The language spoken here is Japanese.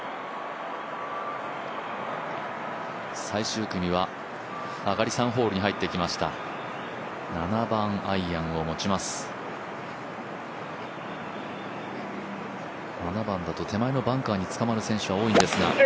最終組は上がり３ホールに入ってきました。